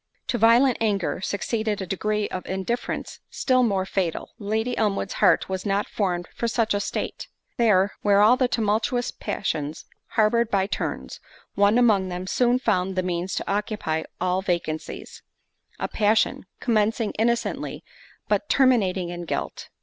To violent anger, succeeded a degree of indifference still more fatal—Lady Elmwood's heart was not formed for such a state—there, where all the tumultuous passions harboured by turns, one among them soon found the means to occupy all vacancies: a passion, commencing innocently, but terminating in guilt.